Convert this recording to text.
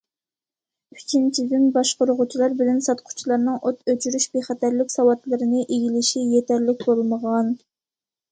ئۈچىنچىدىن، باشقۇرغۇچىلار بىلەن ساتقۇچىلارنىڭ ئوت ئۆچۈرۈش بىخەتەرلىك ساۋاتلىرىنى ئىگىلىشى يېتەرلىك بولمىغان.